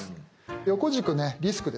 横軸ねリスクです。